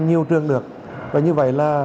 nhiều trường được và như vậy là